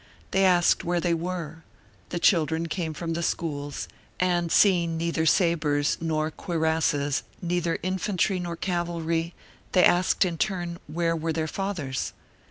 They asked where they were; the children came from the schools, and seeing neither sabers, nor cuirasses, neither infantry nor cavalry, they asked in turn where were their fathers.